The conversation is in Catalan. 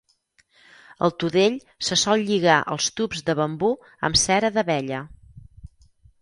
El tudell se sol lligar als tubs de bambú amb cera d'abella.